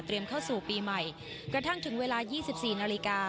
เข้าสู่ปีใหม่กระทั่งถึงเวลา๒๔นาฬิกา